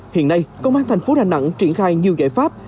hiện nay công an thành phố đà nẵng triển khai nhiều giải pháp